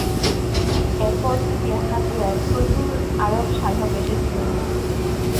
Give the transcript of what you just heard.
এর পর থেকে হাতিয়ায় প্রচুর আরব সাধক এসেছিলেন।